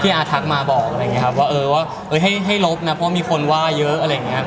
พี่แอร์ทักมาบอกว่าให้ลบนะเพราะมีคนว่ายเยอะอะไรอย่างนี้